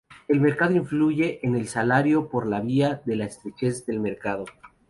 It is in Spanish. El mercado influye en el salario por la vía de la estrechez del mercado.